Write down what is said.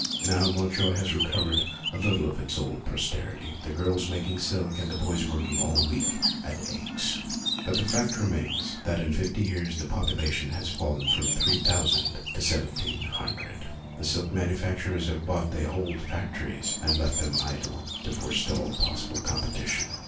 Now Montjoie has recovered a little of its old prosperity, the girls making silk and the boys working all the week at Aix ; but the fact remains that in fifty years MONTJOIE 243 the population has fallen from three thousand to seventeen hundred. The silk manufac turers have bought the old factories and left them idle to forestall possible competition.